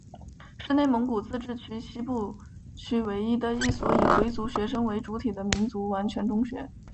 是内蒙古自治区西部区唯一的一所以回族学生为主体的民族完全中学。